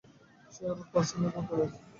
সে Robert Parsons এর দলে আছে।